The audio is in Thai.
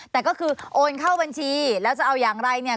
แต่ก็คือโอนเข้าบัญชีแล้วจะเอาอย่างไรเนี่ย